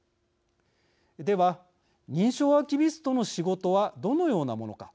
では、認証アーキビストの仕事はどのようなものか。